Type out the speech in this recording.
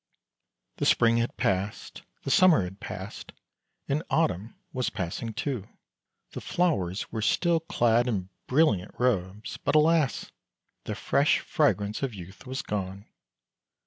The spring had passed, the summer had passed, and autumn was passing too. The flowers were still clad in brilliant robes, but, alas! the fresh fragrance of youth was gone.